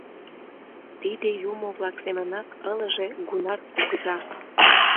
Тиде юмо-влак семынак ылыже Гунар кугыза.